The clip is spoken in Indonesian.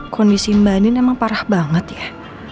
kondisi mbak nin emang parah banget ya